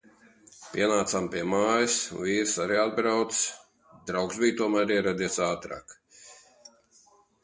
Pienācām pie mājas un vīrs arī atbrauca. Draugs bija tomēr ieradies ātrāk.